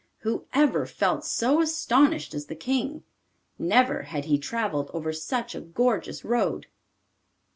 Who ever felt so astonished as the King? Never had he travelled over such a gorgeous road.